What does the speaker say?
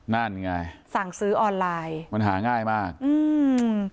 นั่นไงสั่งซื้อออนไลน์มันหาง่ายมากอืม